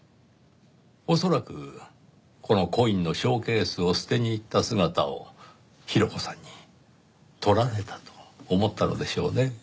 恐らくこのコインのショーケースを捨てに行った姿をヒロコさんに撮られたと思ったのでしょうねぇ。